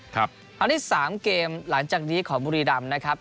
คราวนี้๓เกมหลังจากนี้ของบุรีรำนะครับ